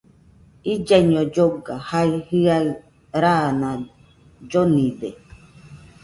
Illaiño lloga, jae jɨaɨ raana llonide